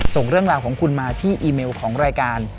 ส่งเรื่องราวของคุณมาที่อีเมลของรายการ